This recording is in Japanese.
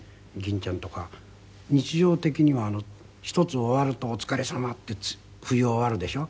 ちゃんとか日常的には１つ終わると「お疲れさま」って冬は終わるでしょ。